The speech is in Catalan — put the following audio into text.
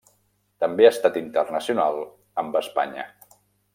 També ha estat internacional amb Espanya.